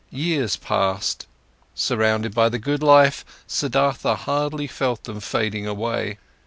Years passed by; surrounded by the good life, Siddhartha hardly felt them fading away.